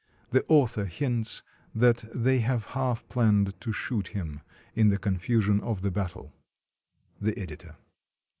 The author hints that they have half planned to shoot him in the confusion of the battle. The Editor.